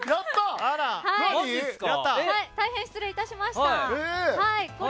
大変失礼いたしました。